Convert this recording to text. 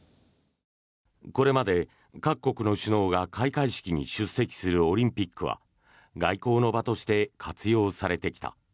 これまで各国の首脳が開会式に出席するオリンピックは外交の場として活用されてきた。